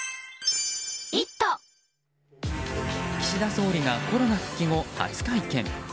岸田総理がコロナ復帰後初会見。